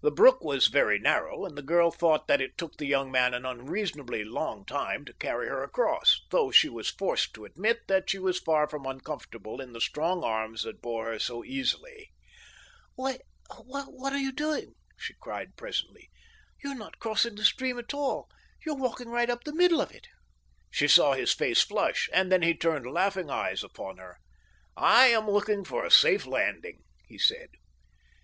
The brook was very narrow, and the girl thought that it took the young man an unreasonably long time to carry her across, though she was forced to admit that she was far from uncomfortable in the strong arms that bore her so easily. "Why, what are you doing?" she cried presently. "You are not crossing the stream at all. You are walking right up the middle of it!" She saw his face flush, and then he turned laughing eyes upon her. "I am looking for a safe landing," he said.